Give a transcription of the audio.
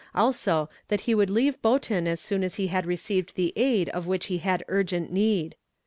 Also, that he would leave Boeton as soon as he had received the aid of which he had urgent need.